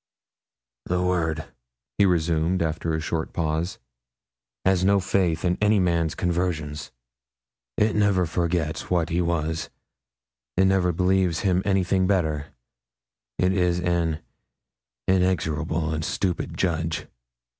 'The world,' he resumed after a short pause, 'has no faith in any man's conversion; it never forgets what he was, it never believes him anything better, it is an inexorable and stupid judge.